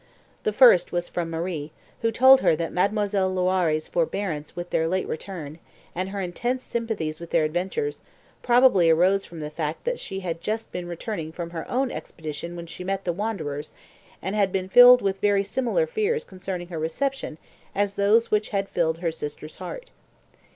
The first was from Marie, who told her that Mademoiselle Loiré's forbearance with their late return, and her intense sympathy with their adventures, probably arose from the fact that she had just been returning from her own expedition when she met the wanderers, and had been filled with very similar fears concerning her reception as those which had filled her sister's heart.